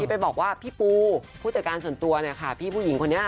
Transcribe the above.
ไปบอกว่าพี่ปูผู้จัดการส่วนตัวเนี่ยค่ะพี่ผู้หญิงคนนี้